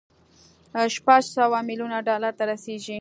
شپږ سوه ميليونه ډالر ته رسېږي.